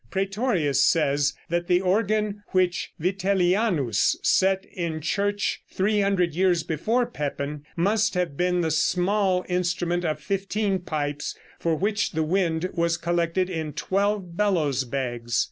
Prætorius says that the organ which Vitellianus set in church 300 years before Pepin, must have been the small instrument of fifteen pipes, for which the wind was collected in twelve bellows bags.